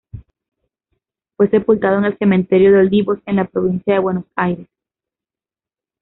Fue sepultado en el cementerio de Olivos, en la provincia de Buenos Aires.